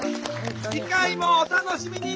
次回もお楽しみに！